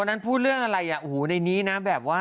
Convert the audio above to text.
นั้นพูดเรื่องอะไรอ่ะโอ้โหในนี้นะแบบว่า